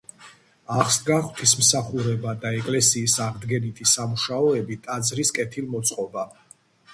აღსდგა ღვთისმსახურება და ეკლესიის აღდგენითი სამუშაოები და ტაძრის კეთილმოწყობა.